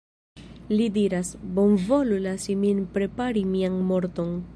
Li diras, "Bonvolu lasi min prepari mian morton.